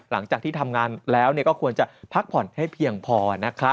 หลังจากที่ทำงานแล้วก็ควรจะพักผ่อนให้เพียงพอนะคะ